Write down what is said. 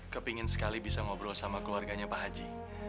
kepingin sekali bisa ngobrol sama keluarganya pak haji